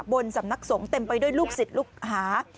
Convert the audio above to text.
บนสำนักสงฆ์เต็มไปด้วยลูกศิษย์ลูกหา